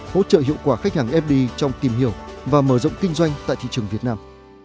hỗ trợ hiệu quả khách hàng fdi trong tìm hiểu và mở rộng kinh doanh tại thị trường việt nam